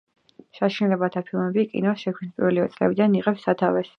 საშინელებათა ფილმები კინოს შექმნის პირველივე წლებიდან იღებს სათავეს.